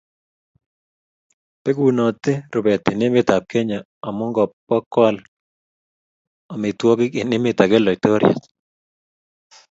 Pegunati rubet eng emet ab Kenya amu kopkoal amitwokik eng emet ake laitoriate